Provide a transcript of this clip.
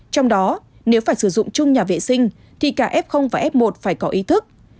trong đó nếu phải sử dụng chung nhà vệ sinh thì cả f và f một phải có ý thức